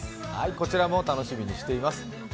こちらも楽しみにしています。